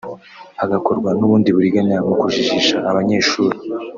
hagakorwa n’ubundi buriganya mu kujijisha abanyeshuri